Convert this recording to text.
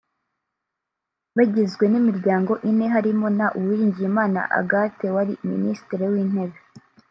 bagizwe n’imiryango ine harimo na Uwiringiyimana Agathe wari Minisitiri w’Intebe